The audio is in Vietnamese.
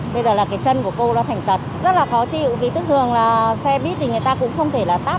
mọi luật lệ đều được xếp vào một bên